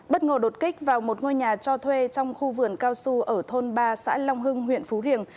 bất ngờ đột kích vào một ngôi nhà cho thuê trong khu vườn cao su ở thôn ba xã long hưng huyện phú riềng